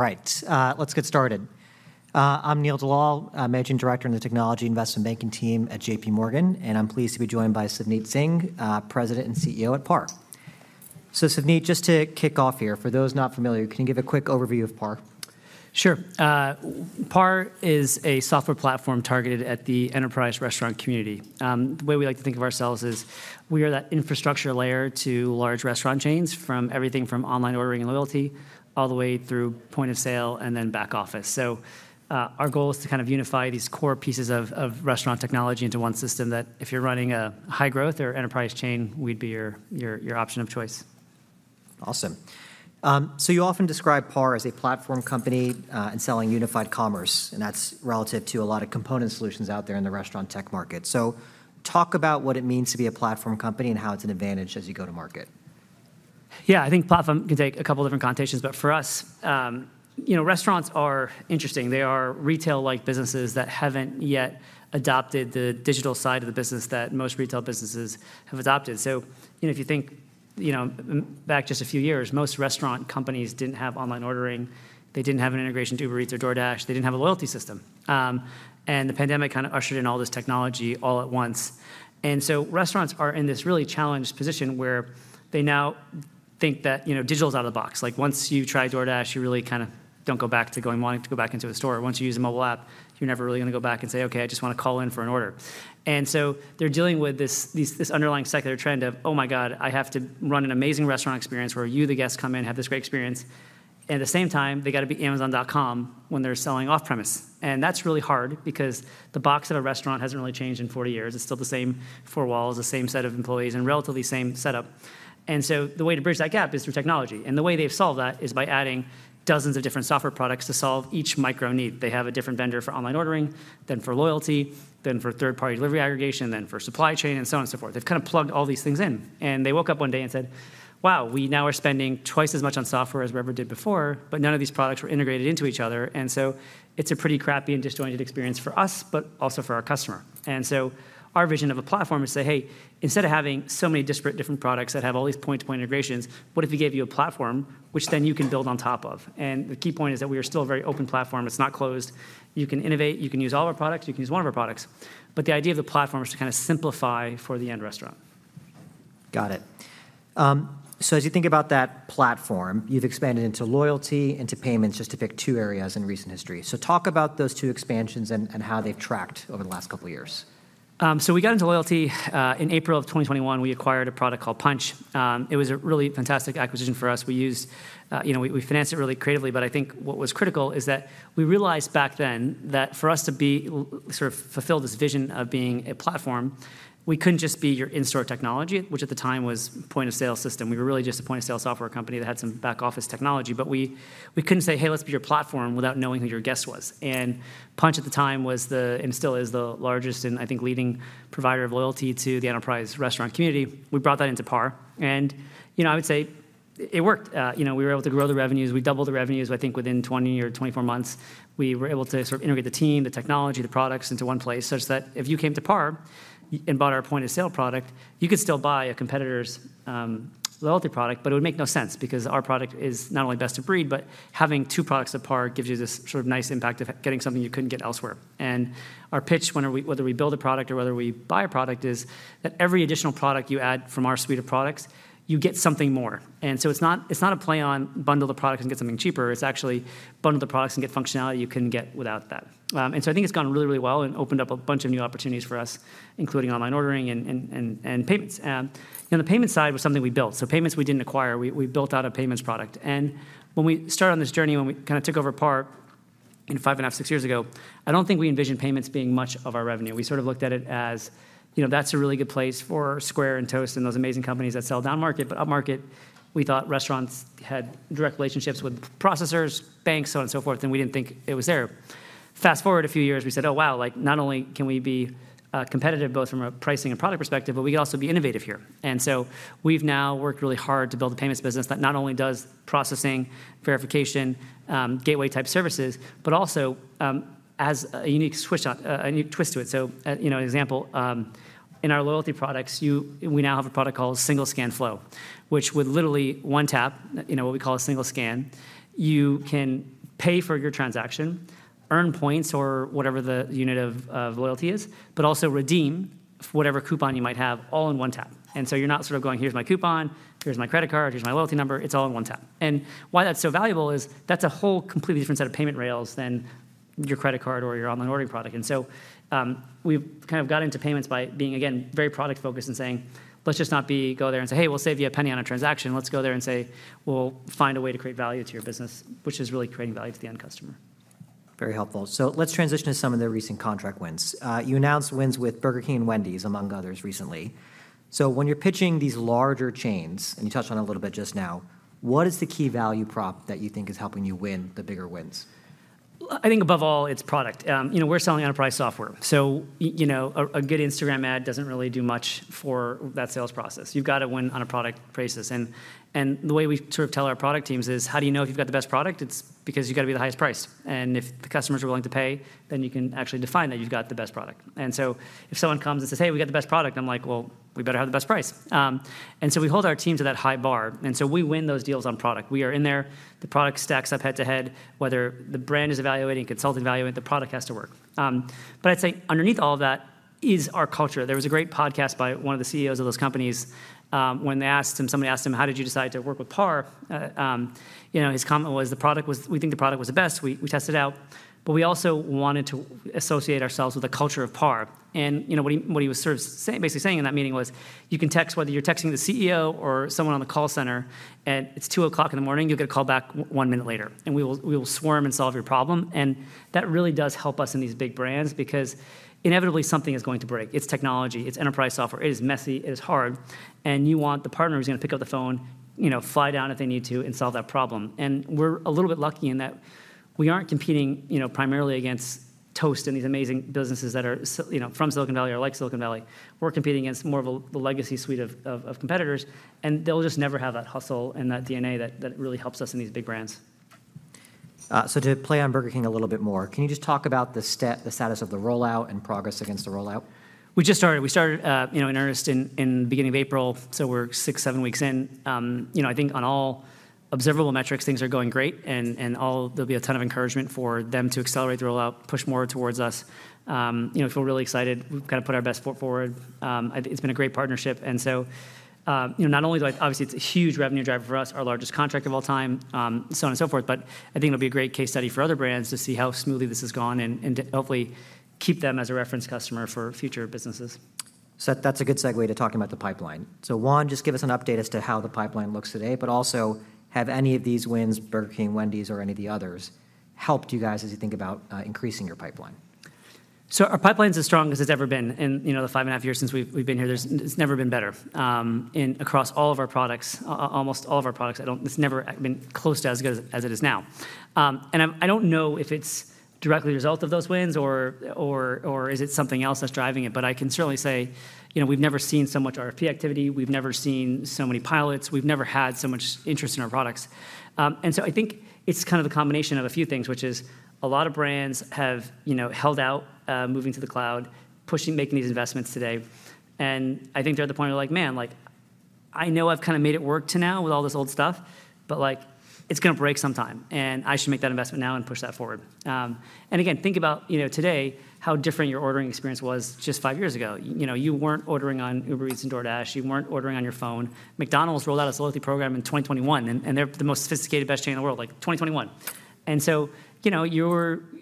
All right, let's get started. I'm Neil Dalal, a managing director in the technology investment banking team at JPMorgan, and I'm pleased to be joined by Savneet Singh, President and CEO at PAR. So Savneet, just to kick off here, for those not familiar, can you give a quick overview of PAR? Sure. PAR is a software platform targeted at the enterprise restaurant community. The way we like to think of ourselves is we are that infrastructure layer to large restaurant chains, from everything from online ordering and loyalty, all the way through point of sale and then back office. So, our goal is to kind of unify these core pieces of restaurant technology into one system that if you're running a high growth or enterprise chain, we'd be your, your, your option of choice. Awesome. So you often describe PAR as a platform company, and selling unified commerce, and that's relative to a lot of component solutions out there in the restaurant tech market. So talk about what it means to be a platform company and how it's an advantage as you go to market. Yeah, I think platform can take a couple different connotations, but for us, you know, restaurants are interesting. They are retail-like businesses that haven't yet adopted the digital side of the business that most retail businesses have adopted. So, you know, if you think, you know, back just a few years, most restaurant companies didn't have online ordering. They didn't have an integration to Uber Eats or DoorDash. They didn't have a loyalty system. And the pandemic kind of ushered in all this technology all at once. And so restaurants are in this really challenged position where they now think that, you know, digital's out of the box. Like, once you try DoorDash, you really kinda don't go back to going wanting to go back into a store. Once you use a mobile app, you're never really gonna go back and say, "Okay, I just wanna call in for an order." And so they're dealing with this underlying secular trend of, "Oh, my God, I have to run an amazing restaurant experience," where you, the guest, come in, have this great experience, and at the same time, they've got to beat Amazon.com when they're selling off-premise. And that's really hard because the box of a restaurant hasn't really changed in 40 years. It's still the same four walls, the same set of employees, and relatively same setup. And so the way to bridge that gap is through technology, and the way they've solved that is by adding dozens of different software products to solve each micro need. They have a different vendor for online ordering, then for loyalty, then for third-party delivery aggregation, and then for supply chain, and so on and so forth. They've kind of plugged all these things in, and they woke up one day and said, "Wow, we now are spending twice as much on software as we ever did before, but none of these products were integrated into each other. And so it's a pretty crappy and disjointed experience for us, but also for our customer." And so our vision of a platform is to say, "Hey, instead of having so many disparate, different products that have all these point-to-point integrations, what if we gave you a platform which then you can build on top of?" And the key point is that we are still a very open platform. It's not closed. You can innovate, you can use all of our products, you can use one of our products, but the idea of the platform is to kinda simplify for the end restaurant. Got it. So as you think about that platform, you've expanded into loyalty, into payments, just to pick two areas in recent history. So talk about those two expansions and how they've tracked over the last couple years. So we got into loyalty in April 2021. We acquired a product called Punchh. It was a really fantastic acquisition for us. We used, you know, we financed it really creatively, but I think what was critical is that we realized back then that for us to sort of fulfill this vision of being a platform, we couldn't just be your in-store technology, which at the time was point-of-sale system. We were really just a point-of-sale software company that had some back-office technology, but we couldn't say, "Hey, let's be your platform," without knowing who your guest was. Punchh at the time was the, and still is, the largest and I think leading provider of loyalty to the enterprise restaurant community. We brought that into PAR, and you know, I would say it worked. You know, we were able to grow the revenues. We doubled the revenues, I think, within 20 or 24 months. We were able to sort of integrate the team, the technology, the products into one place, such that if you came to PAR and bought our point-of-sale product, you could still buy a competitor's loyalty product, but it would make no sense because our product is not only best of breed, but having two products at PAR gives you this sort of nice impact of getting something you couldn't get elsewhere. And our pitch, whether we build a product or whether we buy a product, is that every additional product you add from our suite of products, you get something more. So it's not, it's not a play on bundle the products and get something cheaper; it's actually bundle the products and get functionality you couldn't get without that. And so I think it's gone really, really well and opened up a bunch of new opportunities for us, including online ordering and payments. And the payments side was something we built, so payments we didn't acquire. We built out a payments product. And when we started on this journey, when we kinda took over PAR 5.5 years, six years ago, I don't think we envisioned payments being much of our revenue. We sort of looked at it as, you know, that's a really good place for Square and Toast and those amazing companies that sell down-market, but upmarket, we thought restaurants had direct relationships with processors, banks, so on and so forth, and we didn't think it was there. Fast-forward a few years, we said, "Oh, wow, like, not only can we be competitive both from a pricing and product perspective, but we can also be innovative here." And so we've now worked really hard to build a payments business that not only does processing, verification, gateway-type services, but also adds a unique switch on, a unique twist to it. So, you know, an example in our loyalty products, you... We now have a product called Single Scan Flow, which with literally one tap, you know, what we call a single scan, you can pay for your transaction, earn points or whatever the unit of, of loyalty is, but also redeem whatever coupon you might have, all in one tap. And so you're not sort of going, "Here's my coupon, here's my credit card, here's my loyalty number." It's all in one tap. And why that's so valuable is that's a whole completely different set of payment rails than your credit card or your online ordering product. So, we've kind of got into payments by being, again, very product-focused and saying, "Let's just not go there and say, 'Hey, we'll save you a penny on a transaction.' Let's go there and say, 'We'll find a way to create value to your business,' which is really creating value to the end customer. Very helpful. So let's transition to some of the recent contract wins. You announced wins with Burger King and Wendy's, among others, recently. So when you're pitching these larger chains, and you touched on it a little bit just now, what is the key value prop that you think is helping you win the bigger wins? I think above all, it's product. You know, we're selling enterprise software, so you know, a good Instagram ad doesn't really do much for that sales process. You've got to win on a product basis. And the way we sort of tell our product teams is: How do you know if you've got the best product? It's because you've got to be the highest price, and if the customers are willing to pay, then you can actually define that you've got the best product. And so if someone comes and says, "Hey, we got the best product," I'm like, "Well, we better have the best price." And so we hold our team to that high bar, and so we win those deals on product. We are in there, the product stacks up head-to-head. Whether the brand is evaluating, consultant evaluate, the product has to work. But I'd say underneath all of that is our culture. There was a great podcast by one of the CEOs of those companies. When they asked him, somebody asked him: "How did you decide to work with PAR?" You know, his comment was, "The product was, we think the product was the best. We, we tested it out, but we also wanted to associate ourselves with the culture of PAR." And, you know, what he, what he was sort of saying, basically saying in that meeting was, you can text, whether you're texting the CEO or someone on the call center, and it's 2:00 A.M., you'll get a call back one minute later, and we will, we will swarm and solve your problem. And that really does help us in these big brands, because inevitably, something is going to break. It's technology, it's enterprise software. It is messy, it is hard, and you want the partner who's going to pick up the phone, you know, fly down if they need to, and solve that problem. And we're a little bit lucky in that we aren't competing, you know, primarily against Toast and these amazing businesses that are, you know, from Silicon Valley or like Silicon Valley. We're competing against more of a, the legacy suite of competitors, and they'll just never have that hustle and that DNA that really helps us in these big brands. So to play on Burger King a little bit more, can you just talk about the status of the rollout and progress against the rollout? We just started. We started, you know, in earnest in, in the beginning of April, so we're six, seven weeks in. You know, I think on all observable metrics, things are going great, and all- there'll be a ton of encouragement for them to accelerate the rollout, push more towards us. You know, I feel really excited. We've kind of put our best foot forward. I- it's been a great partnership, and so, you know, not only do I- obviously, it's a huge revenue driver for us, our largest contract of all time, so on and so forth, but I think it'll be a great case study for other brands to see how smoothly this has gone and, and to hopefully keep them as a reference customer for future businesses. That's a good segue to talking about the pipeline. One, just give us an update as to how the pipeline looks today, but also, have any of these wins, Burger King, Wendy's, or any of the others, helped you guys as you think about increasing your pipeline? So our pipeline's as strong as it's ever been in, you know, the 5.5 years since we've been here. It's never been better. In across all of our products, almost all of our products. It's never been close to as good as it is now. And I don't know if it's directly a result of those wins or is it something else that's driving it, but I can certainly say, you know, we've never seen so much RFP activity, we've never seen so many pilots, we've never had so much interest in our products. And so I think it's kind of a combination of a few things, which is a lot of brands have, you know, held out moving to the cloud, pushing, making these investments today. I think they're at the point of like, "Man, like, I know I've kind of made it work till now with all this old stuff, but, like, it's going to break sometime, and I should make that investment now and push that forward." And again, think about, you know, today, how different your ordering experience was just five years ago. You know, you weren't ordering on Uber Eats and DoorDash, you weren't ordering on your phone. McDonald's rolled out a loyalty program in 2021, and they're the most sophisticated, best chain in the world, like 2021. And so, you know,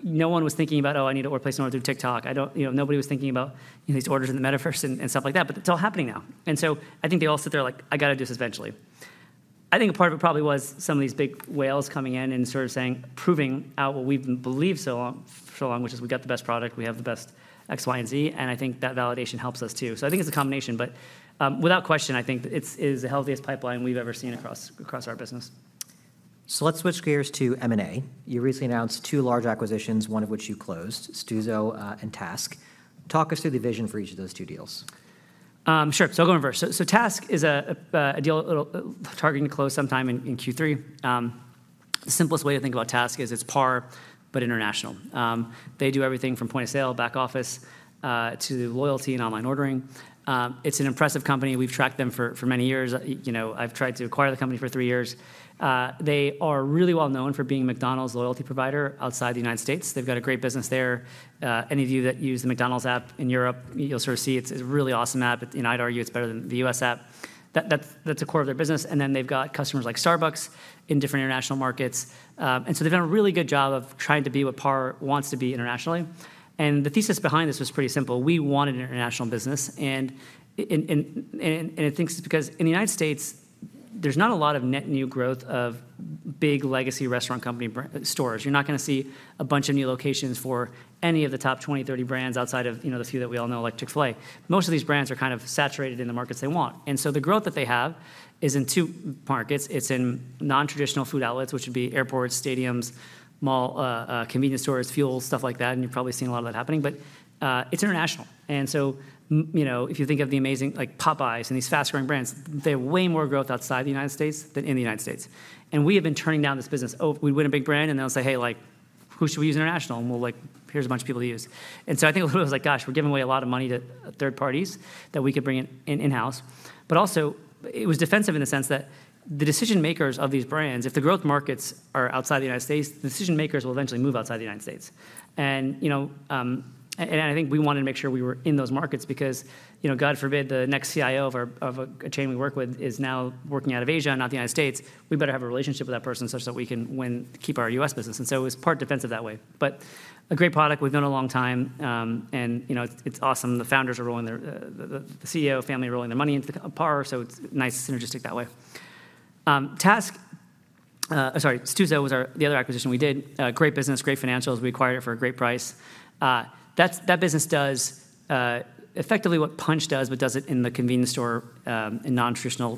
no one was thinking about, "Oh, I need to place an order through TikTok." You know, nobody was thinking about, you know, these orders in the metaverse and stuff like that, but it's all happening now. So I think they all sit there like, "I got to do this eventually." I think a part of it probably was some of these big whales coming in and sort of saying, proving out what we've believed so long, for so long, which is, we got the best product, we have the best X, Y, and Z, and I think that validation helps us, too. So I think it's a combination, but without question, I think it is the healthiest pipeline we've ever seen across our business. So let's switch gears to M&A. You recently announced two large acquisitions, one of which you closed, Stuzo, and TASK. Talk us through the vision for each of those two deals. Sure. So I'll go in first. So TASK is a deal targeting to close sometime in Q3. The simplest way to think about TASK is it's PAR, but international. They do everything from point of sale, back office, to loyalty and online ordering. It's an impressive company. We've tracked them for many years. You know, I've tried to acquire the company for three years. They are really well known for being McDonald's loyalty provider outside the United States. They've got a great business there. Any of you that use the McDonald's app in Europe, you'll sort of see it's a really awesome app. And I'd argue it's better than the U.S. app. That's a core of their business, and then they've got customers like Starbucks in different international markets. And so they've done a really good job of trying to be what PAR wants to be internationally. And the thesis behind this was pretty simple: We wanted an international business, and it thinks because in the United States, there's not a lot of net new growth of big legacy restaurant company stores. You're not going to see a bunch of new locations for any of the top 20, 30 brands outside of, you know, the few that we all know, like Chick-fil-A. Most of these brands are kind of saturated in the markets they want. And so the growth that they have is in two markets. It's in non-traditional food outlets, which would be airports, stadiums, mall, convenience stores, fuel, stuff like that, and you've probably seen a lot of that happening. But it's international. And so, you know, if you think of the amazing, like, Popeyes and these fast-growing brands, they have way more growth outside the United States than in the United States. And we have been turning down this business. Oh, we win a big brand, and they'll say: "Hey, like, who should we use international?" And we're like: "Here's a bunch of people to use." And so I think a little was like, gosh, we're giving away a lot of money to third parties that we could bring in, in-house. But also, it was defensive in the sense that the decision-makers of these brands, if the growth markets are outside the United States, the decision-makers will eventually move outside the United States. You know, I think we wanted to make sure we were in those markets because, you know, God forbid, the next CIO of our chain we work with is now working out of Asia, not the United States. We better have a relationship with that person such that we can win, keep our U.S. business, and so it was part defensive that way. But a great product we've known a long time, and, you know, it's awesome. The founders are rolling their, the CEO family are rolling their money into PAR, so it's nice and synergistic that way. TASK, sorry, Stuzo was our other acquisition we did. Great business, great financials. We acquired it for a great price. That business does effectively what Punchh does, but does it in the convenience store and non-traditional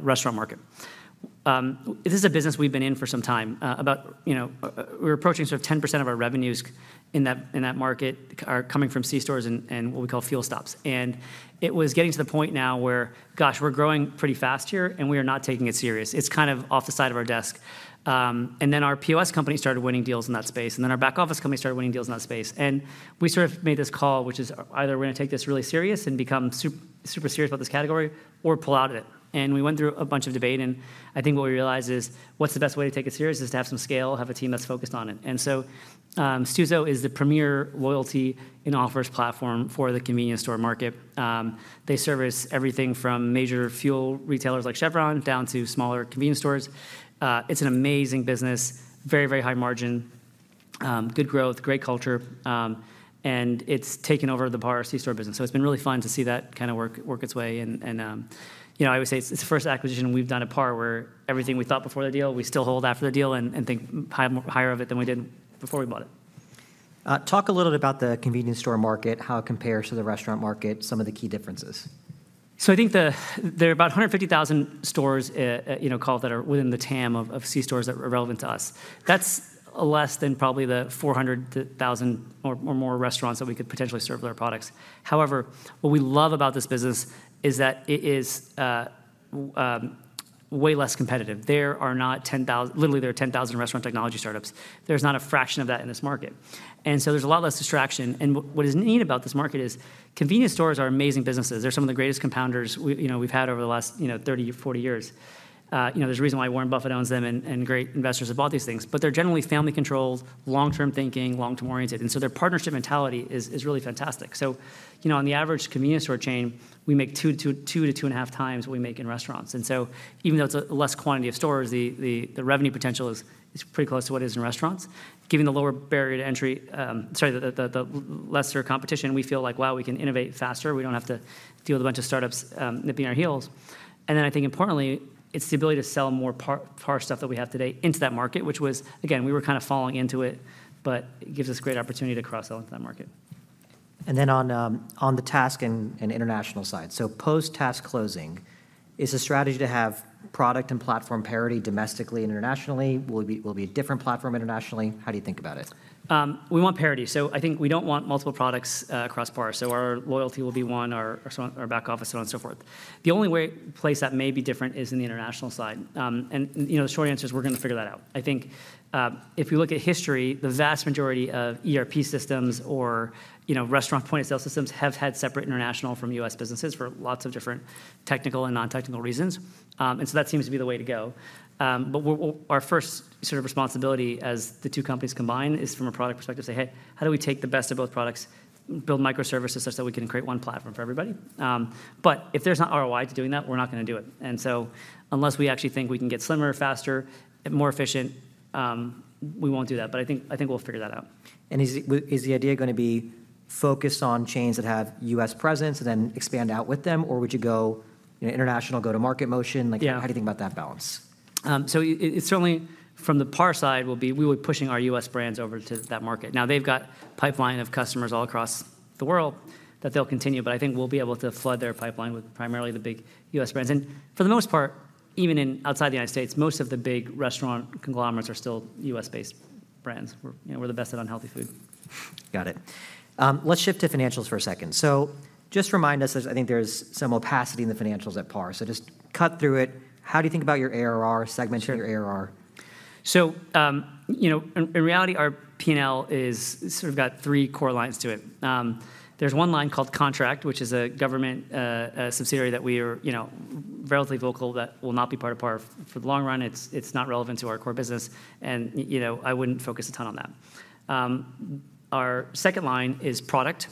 restaurant market. This is a business we've been in for some time. You know, we're approaching sort of 10% of our revenues in that market are coming from c-stores and what we call fuel stops. And it was getting to the point now where, gosh, we're growing pretty fast here, and we are not taking it serious. It's kind of off the side of our desk. And then our POS company started winning deals in that space, and then our back office company started winning deals in that space. And we sort of made this call, which is, either we're going to take this really serious and become super serious about this category or pull out of it. We went through a bunch of debate, and I think what we realized is, what's the best way to take it serious, is to have some scale, have a team that's focused on it. So, Stuzo is the premier loyalty and offers platform for the convenience store market. They service everything from major fuel retailers like Chevron down to smaller convenience stores. It's an amazing business, very, very high margin... good growth, great culture, and it's taken over the PAR c-store business. So it's been really fun to see that kind of work, work its way, and, you know, I would say it's the first acquisition we've done at PAR, where everything we thought before the deal, we still hold after the deal and think higher of it than we did before we bought it. Talk a little about the convenience store market, how it compares to the restaurant market, some of the key differences? So I think there are about 150,000 stores, you know, that are within the TAM of c-stores that are relevant to us. That's less than probably the 400,000 or more restaurants that we could potentially serve with our products. However, what we love about this business is that it is way less competitive. There are not 10,000. Literally, there are 10,000 restaurant technology startups. There's not a fraction of that in this market, and so there's a lot less distraction. And what is neat about this market is convenience stores are amazing businesses. They're some of the greatest compounders we've, you know, we've had over the last, you know, 30, 40 years. You know, there's a reason why Warren Buffett owns them, and great investors have bought these things. But they're generally family-controlled, long-term thinking, long-term oriented, and so their partnership mentality is really fantastic. So, you know, on the average convenience store chain, we make 2-2.5 times what we make in restaurants. And so even though it's a less quantity of stores, the revenue potential is pretty close to what it is in restaurants. Given the lower barrier to entry, sorry, the lesser competition, we feel like, wow, we can innovate faster. We don't have to deal with a bunch of startups nipping at our heels. And then I think importantly, it's the ability to sell more PAR, PAR stuff that we have today into that market, which was, again, we were kind of falling into it, but it gives us great opportunity to cross-sell into that market. And then on the TASK and international side. So post-TASK closing, is the strategy to have product and platform parity domestically and internationally? Will it be a different platform internationally? How do you think about it? We want parity, so I think we don't want multiple products across PAR. So our loyalty will be one, our back office, so on and so forth. The only place that may be different is in the international side. And, you know, the short answer is we're going to figure that out. I think, if you look at history, the vast majority of ERP systems or, you know, restaurant point-of-sale systems have had separate international from U.S. businesses for lots of different technical and non-technical reasons. And so that seems to be the way to go. But we'll, our first sort of responsibility as the two companies combine, is from a product perspective, say: Hey, how do we take the best of both products, build microservices such that we can create one platform for everybody? But if there's not ROI to doing that, we're not going to do it. And so unless we actually think we can get slimmer, faster, and more efficient, we won't do that, but I think, I think we'll figure that out. Is it, is the idea going to be focused on chains that have U.S. presence and then expand out with them, or would you go, you know, international, go-to-market motion? Yeah. Like, how do you think about that balance? So, certainly from the PAR side, will be we would pushing our U.S. brands over to that market. Now, they've got pipeline of customers all across the world that they'll continue, but I think we'll be able to flood their pipeline with primarily the big U.S. brands. And for the most part, even in outside the United States, most of the big restaurant conglomerates are still U.S.-based brands. We're, you know, we're the best at unhealthy food. Got it. Let's shift to financials for a second. Just remind us, as I think there's some opacity in the financials at PAR. Just cut through it. How do you think about your ARR, segment of your ARR? Sure. So, you know, in reality, our P&L is sort of got three core lines to it. There's one line called contract, which is a government subsidiary that we are, you know, relatively vocal that will not be part of PAR for the long run. It's not relevant to our core business, and, you know, I wouldn't focus a ton on that. Our second line is product,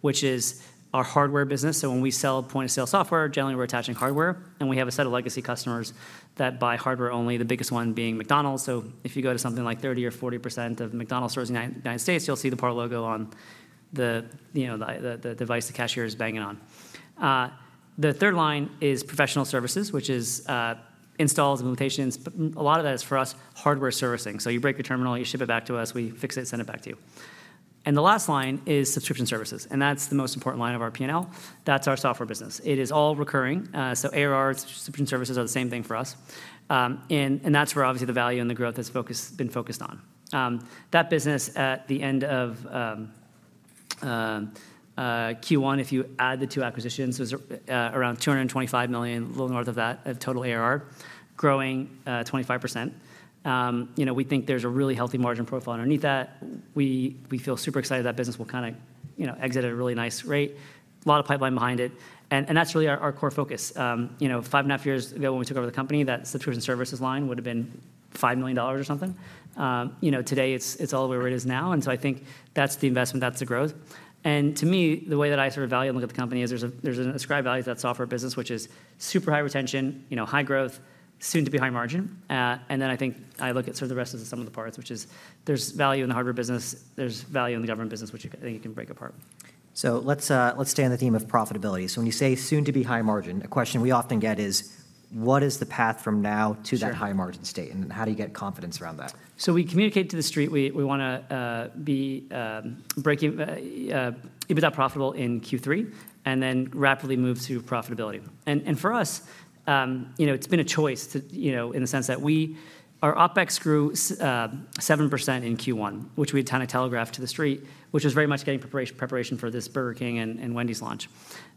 which is our hardware business. So when we sell point-of-sale software, generally, we're attaching hardware, and we have a set of legacy customers that buy hardware only, the biggest one being McDonald's. So if you go to something like 30% or 40% of McDonald's stores in United States, you'll see the PAR logo on the, you know, the device the cashier is banging on. The third line is professional services, which is installs and implementations, but a lot of that is, for us, hardware servicing. So you break your terminal, you ship it back to us, we fix it and send it back to you. And the last line is subscription services, and that's the most important line of our P&L. That's our software business. It is all recurring. So ARR subscription services are the same thing for us. And that's where obviously the value and the growth has focused, been focused on. That business at the end of Q1, if you add the two acquisitions, was around $225 million, a little north of that, of total ARR, growing 25%. You know, we think there's a really healthy margin profile underneath that. We feel super excited that business will kind of, you know, exit at a really nice rate. A lot of pipeline behind it, and that's really our core focus. You know, 5.5 years ago, when we took over the company, that subscription services line would've been $5 million or something. You know, today it's all where it is now, and so I think that's the investment, that's the growth. And to me, the way that I sort of value and look at the company is there's an ascribed value to that software business, which is super high retention, you know, high growth, soon-to-be high margin. And then I think I look at sort of the rest of the sum of the parts, which is there's value in the hardware business, there's value in the government business, which you, I think you can break apart. So let's stay on the theme of profitability. So when you say soon to be high margin, a question we often get is: What is the path from now- Sure... to that high margin state, and how do you get confidence around that? So we communicate to the Street, we wanna be breaking EBITDA profitable in Q3, and then rapidly move to profitability. And for us, you know, it's been a choice to, you know, in the sense that our OpEx grew 7% in Q1, which we had kind of telegraphed to the Street, which was very much getting preparation, preparation for this Burger King and Wendy's launch.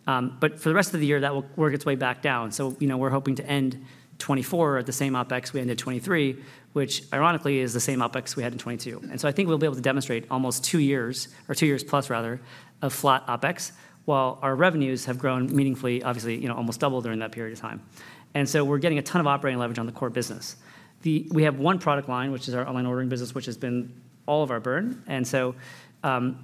But for the rest of the year, that will work its way back down. So, you know, we're hoping to end 2024 at the same OpEx we ended 2023, which ironically, is the same OpEx we had in 2022. I think we'll be able to demonstrate almost two years, or 2+ years, rather, of flat OpEx, while our revenues have grown meaningfully, obviously, you know, almost double during that period of time. So we're getting a ton of operating leverage on the core business. We have one product line, which is our online ordering business, which has been all of our burn, and so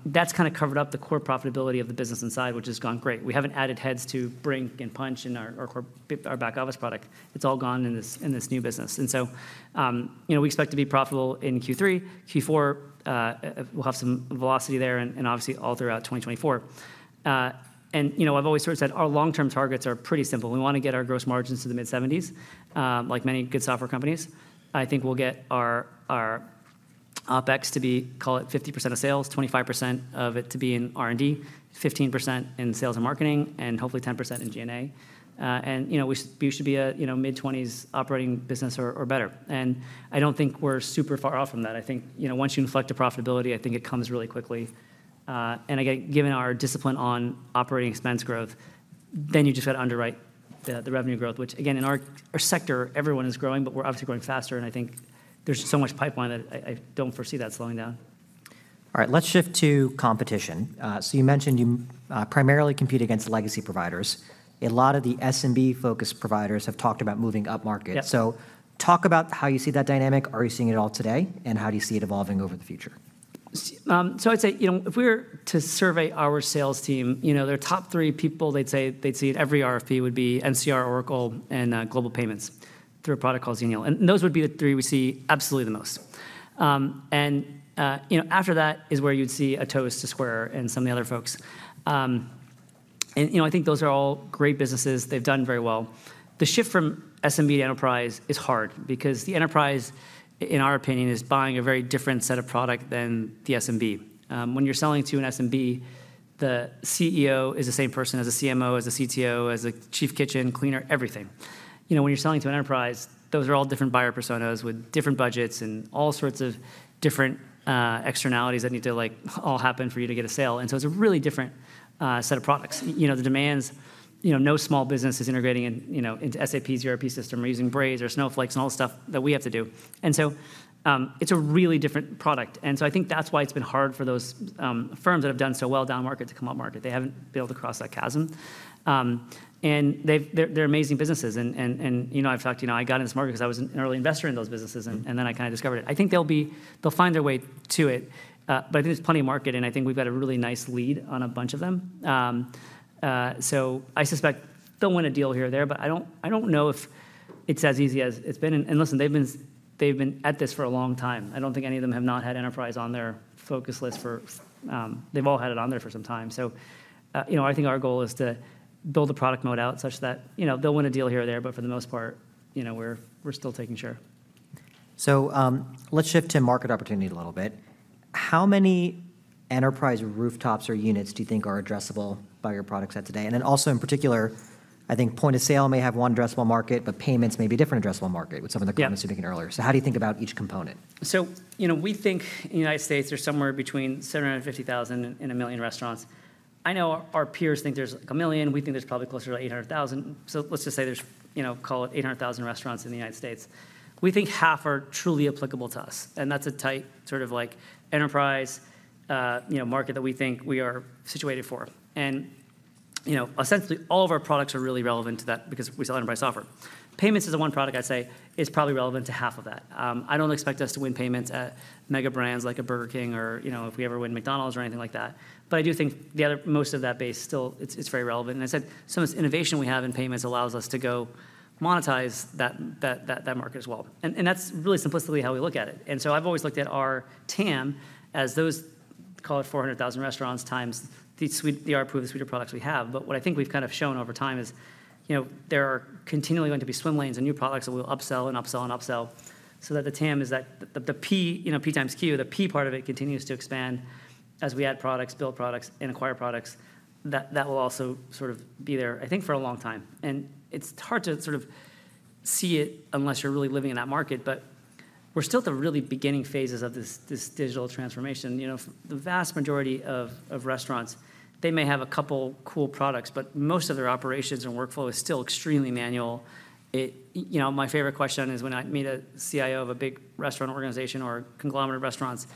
that's kinda covered up the core profitability of the business inside, which has gone great. We haven't added heads to Brink and Punchh and our core, our back office product. It's all gone in this new business. So you know, we expect to be profitable in Q3. Q4 we'll have some velocity there and obviously all throughout 2024. you know, I've always sort of said our long-term targets are pretty simple. We want to get our gross margins to the mid-70s, like many good software companies. I think we'll get our OpEx to be, call it 50% of sales, 25% of it to be in R&D, 15% in sales and marketing, and hopefully 10% in G&A. And, you know, we should be a, you know, mid-20s operating business or better. I don't think we're super far off from that. I think, you know, once you inflect to profitability, I think it comes really quickly. And again, given our discipline on operating expense growth, then you've just got to underwrite the revenue growth, which again, in our sector, everyone is growing, but we're obviously growing faster, and I think there's so much pipeline that I don't foresee that slowing down. All right, let's shift to competition. So you mentioned you primarily compete against legacy providers. A lot of the SMB-focused providers have talked about moving upmarket. Yep. Talk about how you see that dynamic. Are you seeing it at all today, and how do you see it evolving over the future? So I'd say, you know, if we were to survey our sales team, you know, their top three people, they'd say they'd see at every RFP would be NCR, Oracle, and Global Payments through a product called Xenial, and those would be the three we see absolutely the most. And you know, after that is where you'd see Toast, Square, and some of the other folks. And you know, I think those are all great businesses. They've done very well. The shift from SMB to enterprise is hard because the enterprise, in our opinion, is buying a very different set of product than the SMB. When you're selling to an SMB, the CEO is the same person as a CMO, as a CTO, as a chief kitchen cleaner, everything. You know, when you're selling to an enterprise, those are all different buyer personas with different budgets and all sorts of different externalities that need to, like, all happen for you to get a sale, and so it's a really different set of products. You know, the demands, you know, no small business is integrating in, you know, into SAP's ERP system or using Braze or Snowflake and all the stuff that we have to do. And so, it's a really different product, and so I think that's why it's been hard for those firms that have done so well downmarket to come upmarket. They haven't been able to cross that chasm. And they're amazing businesses. You know, in fact, you know, I got into this market 'cause I was an early investor in those businesses, and then I kind of discovered it. I think they'll find their way to it, but I think there's plenty of market, and I think we've got a really nice lead on a bunch of them. So I suspect they'll win a deal here or there, but I don't know if it's as easy as it's been. Listen, they've been at this for a long time. I don't think any of them have not had enterprise on their focus list for... They've all had it on there for some time. You know, I think our goal is to build a product mode out such that, you know, they'll win a deal here or there, but for the most part, you know, we're still taking share. So, let's shift to market opportunity a little bit. How many enterprise rooftops or units do you think are addressable by your product set today? And then also, in particular, I think point-of-sale may have one addressable market, but payments may be a different addressable market- Yep with some of the comments you making earlier. So how do you think about each component? So, you know, we think in the United States, there's somewhere between 750,000 and 1 million restaurants. I know our peers think there's, like, 1 million. We think there's probably closer to 800,000. So let's just say there's, you know, call it 800,000 restaurants in the United States. We think half are truly applicable to us, and that's a tight sort of like enterprise, you know, market that we think we are situated for. And, you know, ostensibly, all of our products are really relevant to that because we sell enterprise software. Payments is the one product I'd say is probably relevant to half of that. I don't expect us to win payments at mega brands like a Burger King or, you know, if we ever win McDonald's or anything like that. But I do think the other most of that base still, it's very relevant. And I said some of this innovation we have in payments allows us to go monetize that market as well, and that's really simplistically how we look at it. And so I've always looked at our TAM as those, call it 400,000 restaurants, times the suite of products we have. But what I think we've kind of shown over time is, you know, there are continually going to be swim lanes and new products that we'll upsell and upsell and upsell, so that the TAM is that, the P, you know, P times Q, the P part of it continues to expand as we add products, build products, and acquire products. That will also sort of be there, I think, for a long time. And it's hard to sort of see it unless you're really living in that market. But we're still at the really beginning phases of this digital transformation. You know, the vast majority of restaurants, they may have a couple cool products, but most of their operations and workflow is still extremely manual. It... You know, my favorite question is, when I meet a CIO of a big restaurant organization or conglomerate of restaurants,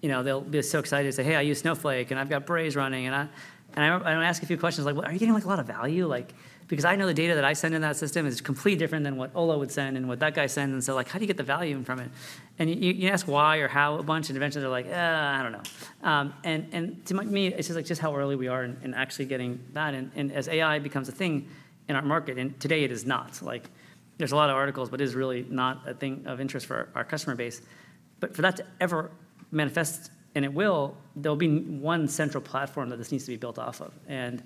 you know, they'll be so excited to say, "Hey, I use Snowflake, and I've got Braze running," and I don't ask a few questions like, "Are you getting, like, a lot of value?" Like, because I know the data that I send in that system is completely different than what Olo would send and what that guy sends. And so, like, how do you get the value from it? And you ask why or how a bunch, and eventually they're like, "Uh, I don't know." And to me, it's just, like, just how early we are in actually getting that. And as AI becomes a thing in our market, and today it is not. So like, there's a lot of articles, but it is really not a thing of interest for our customer base. But for that to ever manifest, and it will, there'll be one central platform that this needs to be built off of. And,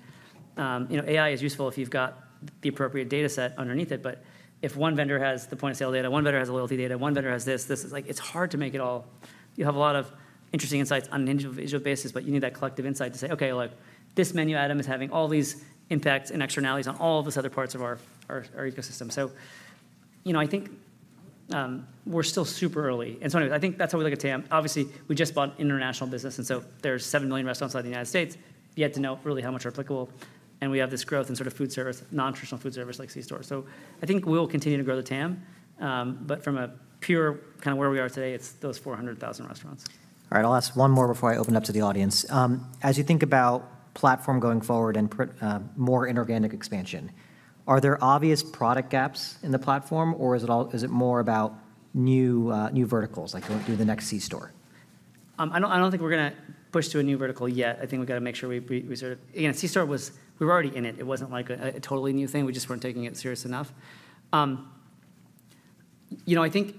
you know, AI is useful if you've got the appropriate data set underneath it, but if one vendor has the point-of-sale data, one vendor has the loyalty data, one vendor has this, this is like, it's hard to make it all. You have a lot of interesting insights on an individual basis, but you need that collective insight to say, "Okay, look, this menu item is having all these impacts and externalities on all of these other parts of our, our, our ecosystem." So, you know, I think, we're still super early, and so I think that's how we look at TAM. Obviously, we just bought international business, and so there's 7 million restaurants outside the United States, yet to know really how much are applicable, and we have this growth in sort of food service, non-traditional food service, like c-store. So I think we'll continue to grow the TAM, but from a pure kind of where we are today, it's those 400,000 restaurants. All right, I'll ask one more before I open up to the audience. As you think about platform going forward and more inorganic expansion, are there obvious product gaps in the platform, or is it more about new verticals, like going through the next c-store? I don't think we're gonna push to a new vertical yet. I think we've got to make sure we sort of... Again, c-store was, we were already in it. It wasn't like a totally new thing. We just weren't taking it serious enough. You know, I think,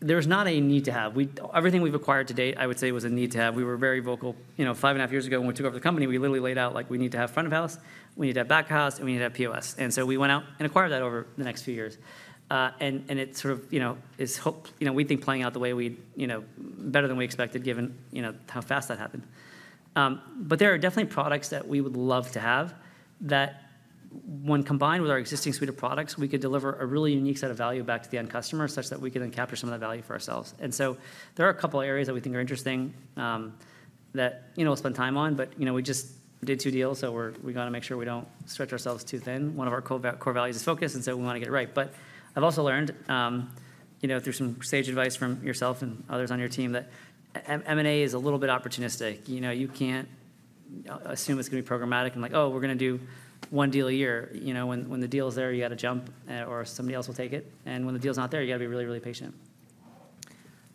there's not a need to have. Everything we've acquired to date, I would say, was a need to have. We were very vocal. You know, 5.5 years ago, when we took over the company, we literally laid out, like, we need to have front of house, we need to have back of house, and we need to have POS. So we went out and acquired that over the next few years. And it sort of, you know, hopefully, you know, we think playing out the way we'd, you know, better than we expected, given, you know, how fast that happened. But there are definitely products that we would love to have, that when combined with our existing suite of products, we could deliver a really unique set of value back to the end customer, such that we can then capture some of the value for ourselves. So there are a couple of areas that we think are interesting, that, you know, we'll spend time on. But, you know, we just did two deals, so we gotta make sure we don't stretch ourselves too thin. One of our core values is focus, and so we wanna get it right. But I've also learned, you know, through some sage advice from yourself and others on your team, that M&A is a little bit opportunistic. You know, you can't assume it's gonna be programmatic, and like, "Oh, we're gonna do one deal a year." You know, when the deal is there, you gotta jump, or somebody else will take it. And when the deal's not there, you gotta be really, really patient.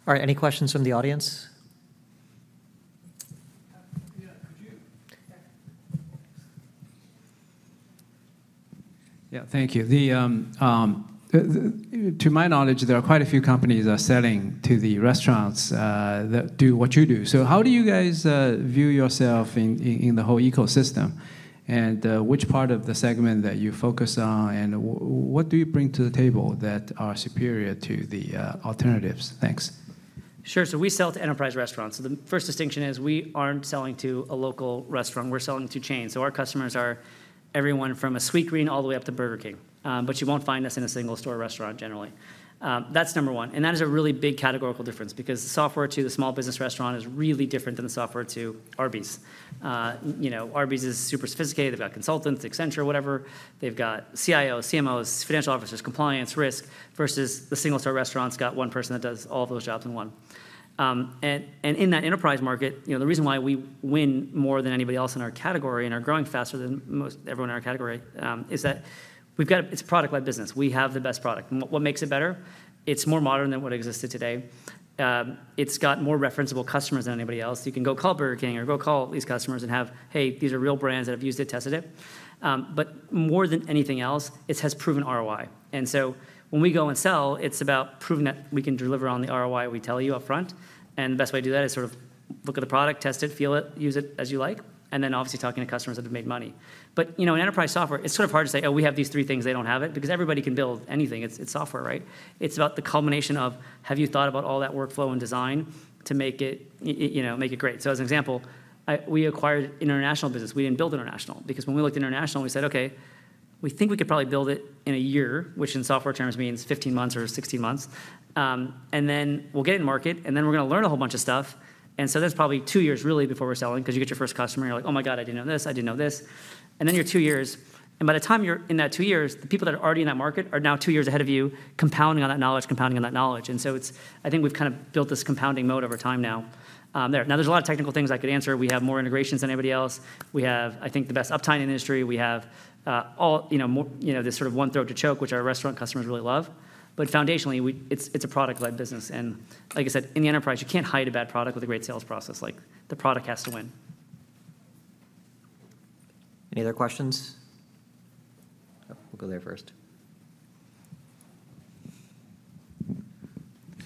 All right, any questions from the audience? Yeah, could you...? Yeah, thank you. To my knowledge, there are quite a few companies that are selling to the restaurants that do what you do. So how do you guys view yourself in the whole ecosystem? And, which part of the segment that you focus on, and what do you bring to the table that are superior to the alternatives? Thanks. Sure. So we sell to enterprise restaurants. So the first distinction is we aren't selling to a local restaurant, we're selling to chains. So our customers are everyone from a Sweetgreen all the way up to Burger King, but you won't find us in a single-store restaurant generally. That's number one, and that is a really big categorical difference, because the software to the small business restaurant is really different than the software to Arby's. You know, Arby's is super sophisticated. They've got consultants, Accenture, whatever. They've got CIOs, CMOs, financial officers, compliance, risk, versus the single-store restaurant's got one person that does all those jobs in one. And in that enterprise market, you know, the reason why we win more than anybody else in our category and are growing faster than most everyone in our category, is that we've got a... It's a product-led business. We have the best product. And what makes it better? It's more modern than what existed today. It's got more referenceable customers than anybody else. You can go call Burger King or go call these customers and have, "Hey, these are real brands that have used it, tested it." But more than anything else, it has proven ROI. And so when we go and sell, it's about proving that we can deliver on the ROI we tell you up front, and the best way to do that is sort of look at the product, test it, feel it, use it as you like, and then obviously talking to customers that have made money. But, you know, in enterprise software, it's sort of hard to say, "Oh, we have these three things, they don't have it," because everybody can build anything. It's software, right? It's about the culmination of, have you thought about all that workflow and design to make it, you know, make it great? So as an example, we acquired international business. We didn't build international, because when we looked at international, we said, "Okay, we think we could probably build it in a year," which in software terms means 15 months or 16 months. "And then we'll get it in market, and then we're gonna learn a whole bunch of stuff." And so that's probably two years, really, before we're selling, 'cause you get your first customer, you're like: Oh, my God, I didn't know this, I didn't know this. And then you're two years, and by the time you're in that two years, the people that are already in that market are now two years ahead of you, compounding on that knowledge, compounding on that knowledge. So it's, I think we've kind of built this compounding mode over time now, there. Now, there's a lot of technical things I could answer. We have more integrations than anybody else. We have, I think, the best uptime in the industry. We have, all, you know, more, you know, this sort of one throat to choke, which our restaurant customers really love. But foundationally, it's, it's a product-led business, and like I said, in the enterprise, you can't hide a bad product with a great sales process. Like, the product has to win. Any other questions? Oh, we'll go there first.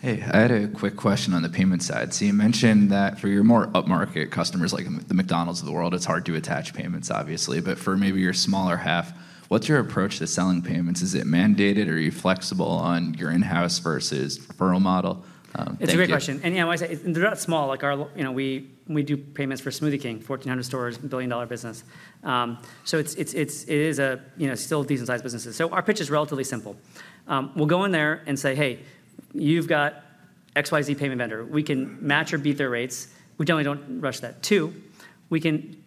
Hey, I had a quick question on the payment side. So you mentioned that for your more upmarket customers, like the McDonald's of the world, it's hard to attach payments, obviously, but for maybe your smaller half, what's your approach to selling payments? Is it mandated, or are you flexible on your in-house versus referral model? Thank you. It's a great question, and yeah, I would say they're not small, like our—you know, we do payments for Smoothie King, 1,400 stores, a billion-dollar business. So it's a, you know, still decent-sized businesses. So our pitch is relatively simple. We'll go in there and say, "Hey, you've got XYZ payment vendor. We can match or beat their rates." We generally don't rush that. Two, "We can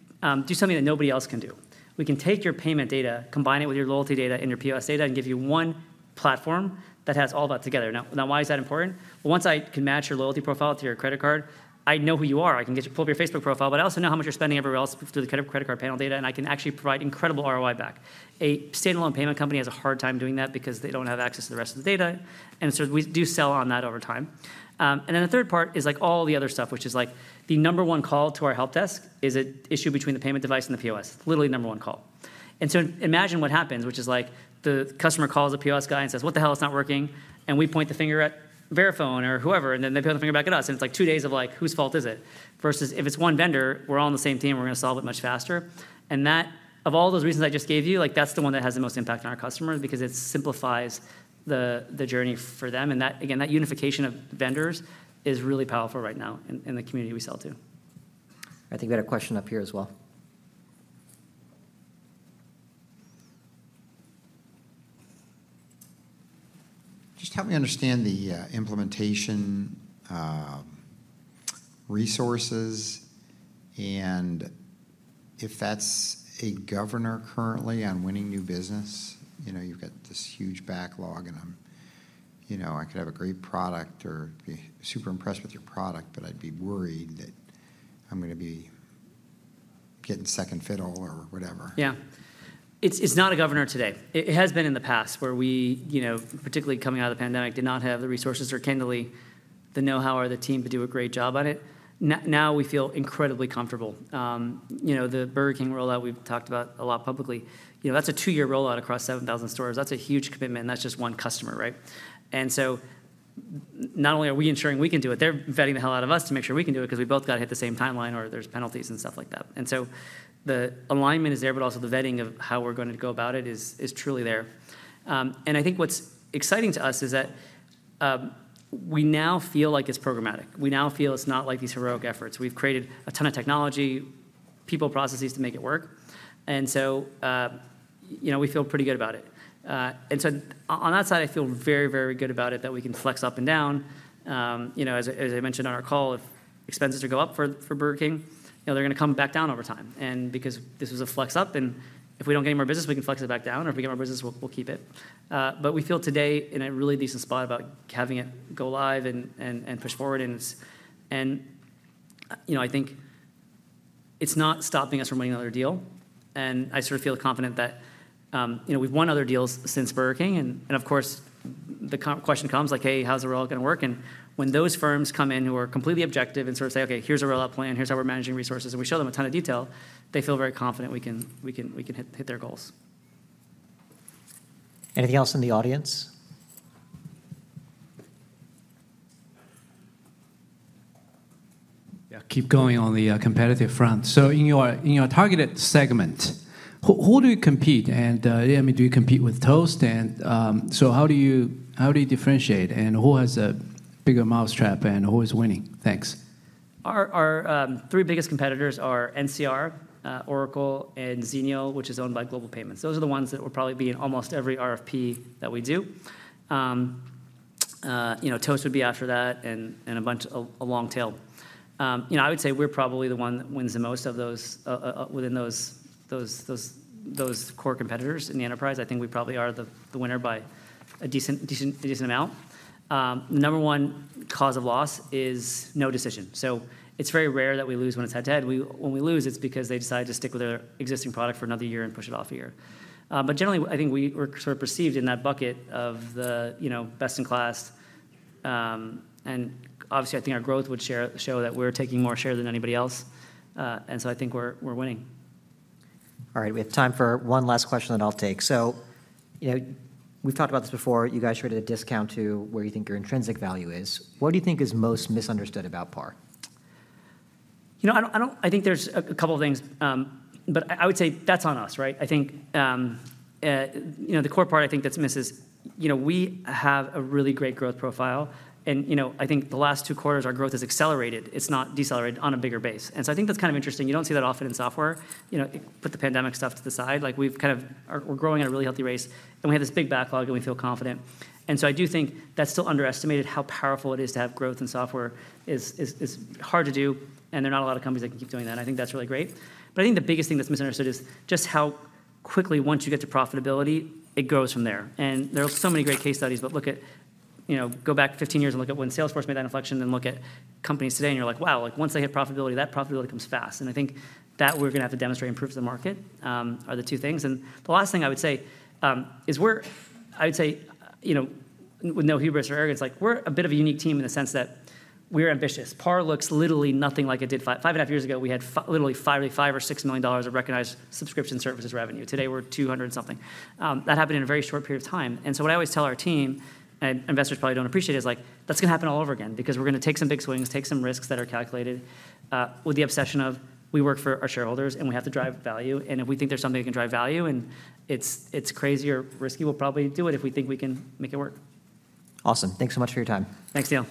do something that nobody else can do. We can take your payment data, combine it with your loyalty data and your POS data, and give you one platform that has all that together." Now, why is that important? Once I can match your loyalty profile to your credit card, I know who you are. I can pull up your Facebook profile, but I also know how much you're spending everywhere else through the credit card panel data, and I can actually provide incredible ROI back. A standalone payment company has a hard time doing that because they don't have access to the rest of the data, and so we do sell on that over time. And then the third part is, like, all the other stuff, which is, like, the number one call to our helpdesk is an issue between the payment device and the POS, literally number one call. And so imagine what happens, which is, like, the customer calls the POS guy and says, "What the hell, it's not working?" And we point the finger at Verifone or whoever, and then they point the finger back at us, and it's like two days of, like, whose fault is it? Versus if it's one vendor, we're all on the same team, we're gonna solve it much faster. And that, of all those reasons I just gave you, like, that's the one that has the most impact on our customers because it simplifies the, the journey for them. And that, again, that unification of vendors is really powerful right now in, in the community we sell to. I think we had a question up here as well. Just help me understand the implementation resources, and if that's a governor currently on winning new business. You know, you've got this huge backlog, and I'm, you know, I could have a great product or be super impressed with your product, but I'd be worried that I'm gonna be getting second fiddle or whatever. Yeah. It's not a governor today. It has been in the past, where we, you know, particularly coming out of the pandemic, did not have the resources or candidly the know-how or the team to do a great job on it. Now we feel incredibly comfortable. You know, the Burger King rollout, we've talked about a lot publicly. You know, that's a two-year rollout across 7,000 stores. That's a huge commitment, and that's just one customer, right? And so not only are we ensuring we can do it, they're vetting the hell out of us to make sure we can do it, 'cause we both gotta hit the same timeline, or there's penalties and stuff like that. And so the alignment is there, but also the vetting of how we're gonna go about it is truly there. I think what's exciting to us is that, we now feel like it's programmatic. We now feel it's not like these heroic efforts. We've created a ton of technology, people, processes to make it work, and so, you know, we feel pretty good about it. And so on that side, I feel very, very good about it, that we can flex up and down. You know, as, as I mentioned on our call, if expenses go up for, for Burger King, you know, they're gonna come back down over time. And because this was a flex up, and if we don't gain more business, we can flex it back down, or if we gain more business, we'll, we'll keep it. But we feel today in a really decent spot about having it go live and push forward, and, you know, I think it's not stopping us from winning another deal. And I sort of feel confident that, you know, we've won other deals since Burger King, and, of course, the question comes like: "Hey, how's the rollout gonna work?" And when those firms come in, who are completely objective and sort of say, "Okay, here's a rollout plan, here's how we're managing resources," and we show them a ton of detail, they feel very confident we can hit their goals. Anything else in the audience? Yeah, keep going on the competitive front. So in your targeted segment, who do you compete, and yeah, I mean, do you compete with Toast, and so how do you differentiate, and who has a bigger mousetrap, and who is winning? Thanks. Our three biggest competitors are NCR, Oracle, and Xenial, which is owned by Global Payments. Those are the ones that will probably be in almost every RFP that we do. You know, Toast would be after that, and a bunch, a long tail. You know, I would say we're probably the one that wins the most of those, within those core competitors in the enterprise. I think we probably are the winner by a decent amount. The number one cause of loss is no decision. So it's very rare that we lose when it's head-to-head. When we lose, it's because they decide to stick with their existing product for another year and push it off a year. But generally, I think we're sort of perceived in that bucket of the, you know, best in class. And obviously, I think our growth show that we're taking more share than anybody else. And so I think we're winning. All right, we have time for one last question, then I'll take. You know, we've talked about this before. You guys traded a discount to where you think your intrinsic value is. What do you think is most misunderstood about PAR? You know, I don't—I think there's a couple of things, but I would say that's on us, right? I think, you know, the core part I think that's missed is, you know, we have a really great growth profile, and, you know, I think the last two quarters, our growth has accelerated, it's not decelerated on a bigger base. And so I think that's kind of interesting. You don't see that often in software. You know, put the pandemic stuff to the side, like, we've kind of... We're growing at a really healthy rate, and we have this big backlog, and we feel confident. And so I do think that's still underestimated, how powerful it is to have growth in software. Is hard to do, and there are not a lot of companies that can keep doing that. I think that's really great. But I think the biggest thing that's misunderstood is just how quickly, once you get to profitability, it goes from there. And there are so many great case studies, but look at, you know, go back 15 years and look at when Salesforce made that inflection, then look at companies today, and you're like: Wow! Like, once they hit profitability, that profitability comes fast. And I think that we're gonna have to demonstrate and prove to the market, are the two things. And the last thing I would say, is I would say, you know, with no hubris or arrogance, like, we're a bit of a unique team in the sense that we're ambitious. PAR looks literally nothing like it did 5.5 years ago. We had literally $5 million, maybe $5 million or $6 million of recognized subscription services revenue. Today, we're $200 million and something. That happened in a very short period of time. So what I always tell our team, and investors probably don't appreciate, is like: That's gonna happen all over again, because we're gonna take some big swings, take some risks that are calculated, with the obsession of we work for our shareholders, and we have to drive value, and if we think there's something that can drive value, and it's crazy or risky, we'll probably do it, if we think we can make it work. Awesome. Thanks so much for your time. Thanks, Neil.